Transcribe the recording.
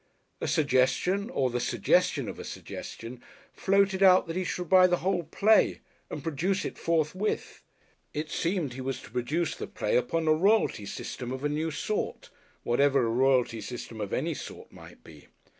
A suggestion, or the suggestion of a suggestion, floated out that he should buy the whole play and produce it forthwith. It seemed he was to produce the play upon a royalty system of a new sort, whatever a royalty system of any sort might be.